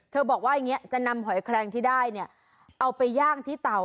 บอกว่าอย่างนี้จะนำหอยแครงที่ได้เนี่ยเอาไปย่างที่เต่า